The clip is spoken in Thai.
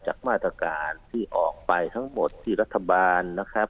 มาตรการที่ออกไปทั้งหมดที่รัฐบาลนะครับ